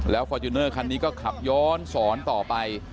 แล้วฟอร์จิไน้ต์คันนี้ก็ขับย้อนสอนต่อไป